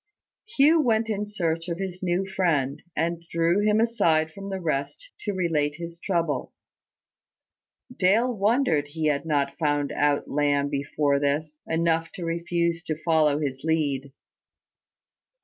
Hugh went in search of his new friend, and drew him aside from the rest to relate his trouble. Dale wondered he had not found out Lamb before this, enough to refuse to follow his lead.